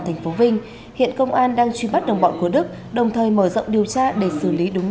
thành phố vinh hiện công an đang truy bắt đồng bọn của đức đồng thời mở rộng điều tra để xử lý đúng